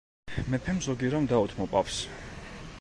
მეფემ ზოგი რამ დაუთმო პაპს.